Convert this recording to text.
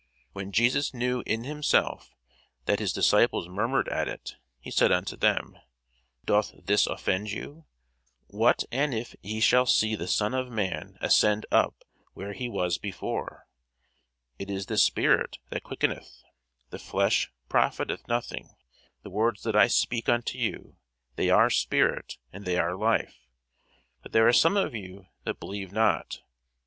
When Jesus knew in himself that his disciples murmured at it, he said unto them, Doth this offend you? What and if ye shall see the Son of man ascend up where he was before? It is the spirit that quickeneth; the flesh profiteth nothing: the words that I speak unto you, they are spirit, and they are life. But there are some of you that believe not.